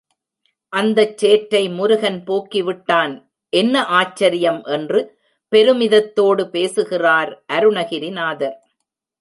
அந்தச் சேற்றை முருகன் போக்கி விட்டான் என்ன ஆச்சரியம் என்று பெருமிதத்தோடு பேசுகிறார் அருணகிரிநாதர்.